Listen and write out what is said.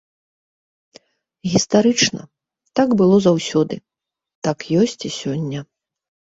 Гістарычна, так было заўсёды, так ёсць і сёння.